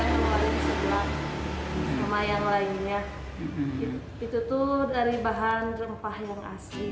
itu tuh dari bahan rempah yang asli